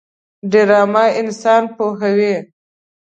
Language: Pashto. ډرامه انسان پوهوي